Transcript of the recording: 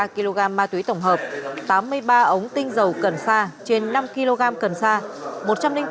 ba kg ma túy tổng hợp tám mươi ba ống tinh dầu cần sa trên năm kg cần sa